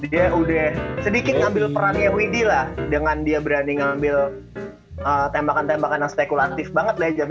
dia udah sedikit ambil peran wd lah dengan dia berani ngambil tembakan tembakan yang spekulatif banget lah ya